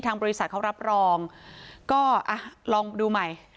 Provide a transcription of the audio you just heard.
บริษัทเขารับรองก็อ่ะลองดูใหม่